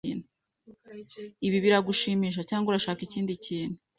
Ibi biragushimisha, cyangwa urashaka ikindi kintu?